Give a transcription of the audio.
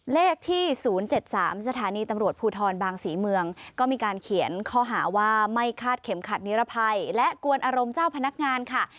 เลขที่๐๗๓สถานีตำรวจภูทรบางศรีเมืองก็มีการเขียนข้อหาว่าไม่คาดเข็มขัดนิรภัยและกวนอารมณ์เจ้าพนักงานค่ะ